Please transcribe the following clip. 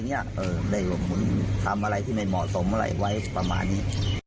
เนี้ยเอ่อได้หวังคุณทำอะไรที่ไม่เหมาะสมอะไรไว้ประมาณนี้